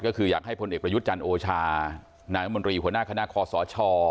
ก็คืออยากให้พลเอกประยุทธ์จันทร์โอชานายมนตรีหัวหน้าคณะคอสช